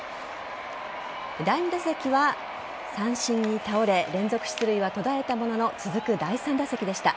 第２打席は三振に倒れ連続出塁は途絶えたものの続く第３打席でした。